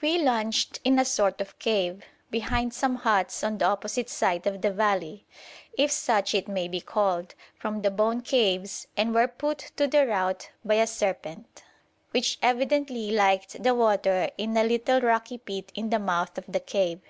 We lunched in a sort of cave, behind some huts on the opposite side of the valley, if such it may be called, from the bone caves, and were put to the rout by a serpent, which evidently liked the water in a little rocky pit in the mouth of the cave.